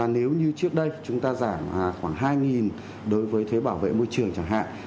nếu như trước đây chúng ta giảm khoảng hai đối với thuế bảo vệ môi trường chẳng hạn